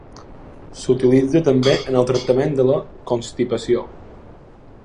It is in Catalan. S'utilitza també en el tractament de la constipació.